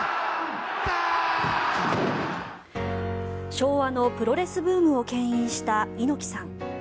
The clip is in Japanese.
昭和のプロレスブームをけん引した猪木さん。